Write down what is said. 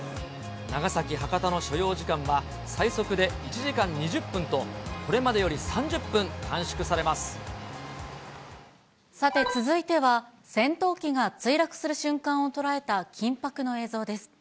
長崎・博多の所要時間は最速で１時間２０分と、これまでより３０さて続いては、戦闘機が墜落する瞬間を捉えた緊迫の映像です。